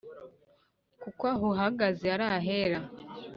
kuko aho uhagaze ari ahera